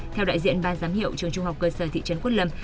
theo đại diện ban giám hiệu trường trung học cơ sở thị trấn quốc lâm